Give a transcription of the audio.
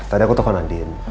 tadi aku telfon andin